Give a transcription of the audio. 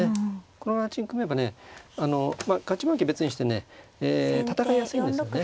この形に組めばね勝ち負け別にしてね戦いやすいんですよね。